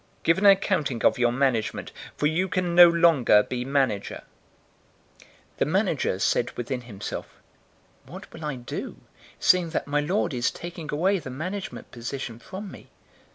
Give an accounting of your management, for you can no longer be manager.' 016:003 "The manager said within himself, 'What will I do, seeing that my lord is taking away the management position from me?